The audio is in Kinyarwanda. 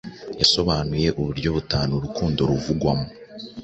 yasobanuye uburyo butanu urukundo ruvugwamo